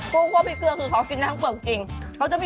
กู้พอพิเกลือคือมันกินได้ทั้งทั้งเกลือ